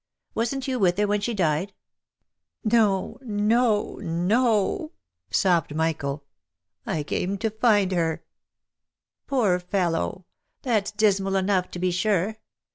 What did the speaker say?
Wasn't you with her, when she died V " No, no, no !" sobbed Michael; " I came here to find her." " Poor fellow ! that's dismal enough to be sure.